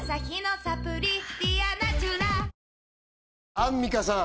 アンミカさん